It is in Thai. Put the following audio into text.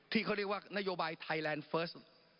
ที่เขาเรียกว่านโยบายไทยแลนด์เฟิร์ส